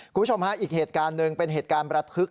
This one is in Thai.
คุณผู้ชมฮะอีกเหตุการณ์หนึ่งเป็นเหตุการณ์ประทึก